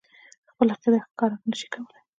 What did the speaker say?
خپله عقیده ښکاره نه شي کولای.